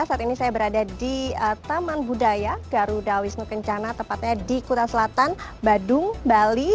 saat ini saya berada di taman budaya garuda wisnu kencana tepatnya di kuta selatan badung bali